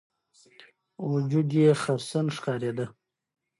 وجود یې خرسن ښکارېده.